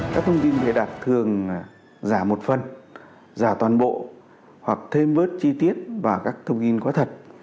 các thông tin biệt đặt thường giả một phần giả toàn bộ hoặc thêm vớt chi tiết và các thông tin quá thật